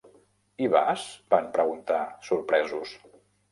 "Hi vas?", van preguntar, sorpresos.